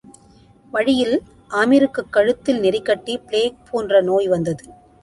வழியில், ஆமிருக்குக் கழுத்தில் நெறி கட்டி, பிளேக் போன்ற நோய் வந்தது.